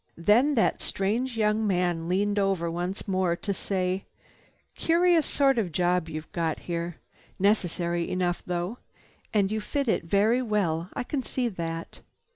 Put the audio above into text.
Then that strange young man leaned over once more to say: "Curious sort of job you've got here! Necessary enough, though. And you fit in very well, I can see that.